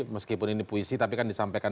meskipun ini puisi tapi kan disampaikan